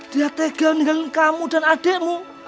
dia tegal ninggalin kamu dan adekmu